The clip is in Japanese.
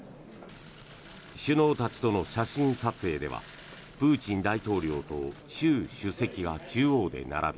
首脳たちとの写真撮影ではプーチン大統領と習主席が中央で並び